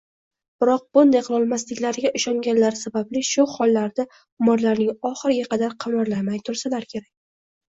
Biroq bunday qilolmasliklariga ishonganlari sababli shu hollarida umrlarining oxiriga qadar qimirlamay tursalar kerak.